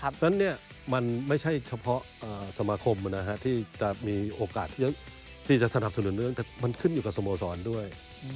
เพราะฉะนั้นมันไม่ใช่เฉพาะสมาคมที่จะมีโอกาสที่จะสนับสนุนเรื่องแต่มันขึ้นอยู่กับสโมสรด้วย